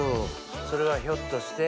それはひょっとして？